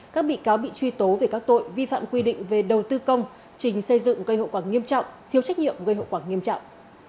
các bị cáo bị truy tố về các tội vi phạm quy định về đầu tư công trình xây dựng gây hậu quả nghiêm trọng thiếu trách nhiệm gây hậu quả nghiêm trọng